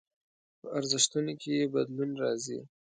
په ارزښتونو کې يې بدلون راځي.